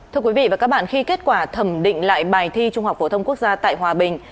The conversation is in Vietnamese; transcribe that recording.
thưa quý vị và các bạn khi kết quả thẩm định lại bài thi trung học phổ thông quốc gia tại hòa bình